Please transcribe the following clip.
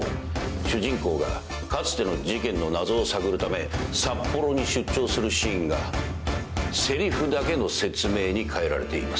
主人公がかつての事件の謎を探るため札幌に出張するシーンがせりふだけの説明に変えられています。